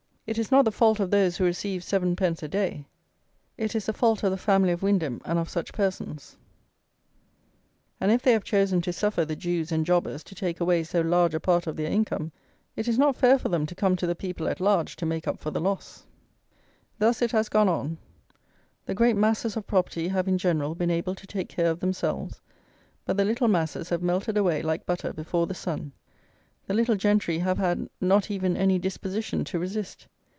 It is not the fault of those who receive 7_d._ a day. It is the fault of the family of Wyndham and of such persons; and, if they have chosen to suffer the Jews and jobbers to take away so large a part of their income, it is not fair for them to come to the people at large to make up for the loss. Thus it has gone on. The great masses of property have, in general, been able to take care of themselves: but the little masses have melted away like butter before the sun. The little gentry have had not even any disposition to resist.